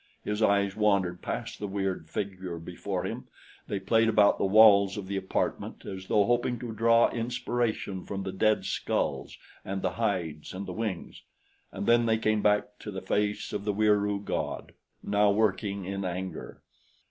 His eyes wandered past the weird figure before him; they played about the walls of the apartment as though hoping to draw inspiration from the dead skulls and the hides and the wings, and then they came back to the face of the Wieroo god, now working in anger.